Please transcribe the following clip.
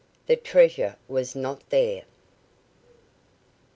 The treasure was not there.